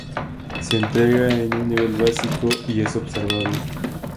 Se entrega en un nivel básico, y es observable.